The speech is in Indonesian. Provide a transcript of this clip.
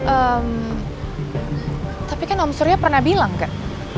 ehm tapi kan om suretuh pernah bilang kan